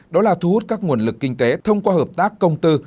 đó là thu hút các nguồn lực kinh tế thông qua hợp tác công tư